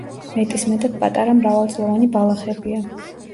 მეტისმეტად პატარა მრავალწლოვანი ბალახებია.